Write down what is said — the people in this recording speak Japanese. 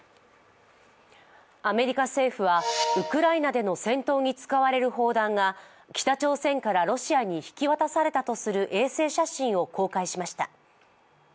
アメリカ政府はウクライナでの戦闘に使われる砲弾が北朝鮮からロシアに引き渡されたとする衛星写真を公開しました。